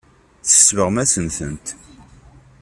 Tsebɣem-asen-tent.